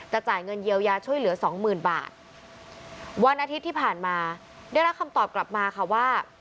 จ่ายเงินเยียวยาช่วยเหลือสองหมื่นบาทวันอาทิตย์ที่ผ่านมาได้รับคำตอบกลับมาค่ะว่า